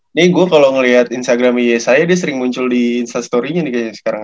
ini gue kalau ngeliat instagram ie saya dia sering muncul di instastory nya nih kayaknya sekarang